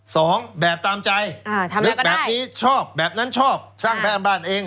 สองแบบตามใจอ่าทำนึกแบบนี้ชอบแบบนั้นชอบสร้างบ้านเอง